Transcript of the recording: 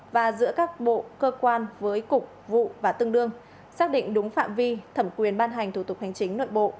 và giữa các bộ cơ quan với cục vụ và tương đương xác định đúng phạm vi thẩm quyền ban hành thủ tục hành chính nội bộ